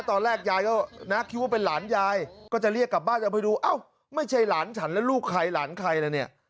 ตอนแรกยายก็นะคิดว่าเป็นหลานยายก็จะเรียกกลับบ้านเอาไปดูเอ้าไม่ใช่หลานฉันแล้วลูกใครหลานใครแล้วเนี่ย